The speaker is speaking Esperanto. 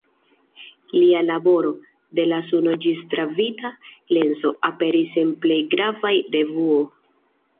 Lia laboro, de la Suno ĝis gravita lenso, aperis en plej gravaj revuo.